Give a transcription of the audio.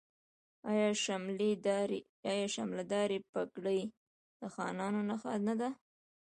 آیا شملې دارې پګړۍ د خانانو نښه نه ده؟